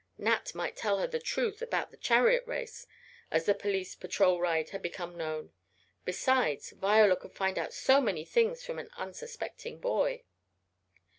Nat might tell her the truth about the "chariot race," as the police patrol ride had become known. Besides, Viola could find out so many things from an unsuspecting boy.